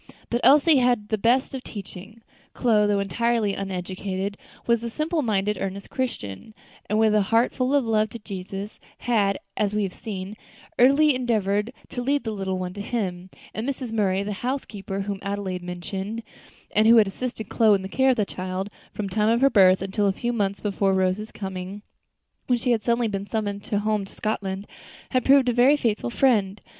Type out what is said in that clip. But Elsie had had the best of teaching. Chloe, though entirely uneducated, was a simple minded, earnest Christian, and with a heart full of love to Jesus, had, as we have seen, early endeavored to lead the little one to Him, and Mrs. Murray the housekeeper whom Adelaide had mentioned, and who had assisted Chloe in the care of the child from the time of her birth until a few months before Rose's coming, when she had suddenly been summoned home to Scotland had proved a very faithful friend.